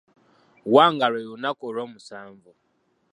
Wanga lwe lunaku olwomusanvu.